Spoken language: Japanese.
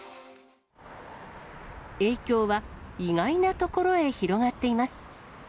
影響は意外な所へ広がっています。